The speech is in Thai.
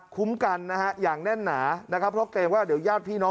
คุ้มกันอย่างแน่นหนาเพราะเต็มว่าเดี๋ยวยาดพี่น้อง